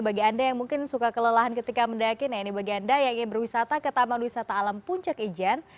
bagi anda yang mungkin suka kelelahan ketika mendaki nah ini bagi anda yang ingin berwisata ke taman wisata alam puncak ijen